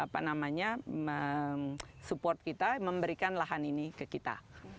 makanya support kita memberikan lahan ini ke kita